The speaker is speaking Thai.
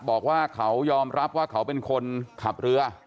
บอกว่าเขายอมรับว่าเขาเป็นคนขับเรือ